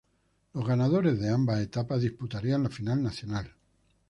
Los ganadores de ambas etapas disputarían la final nacional.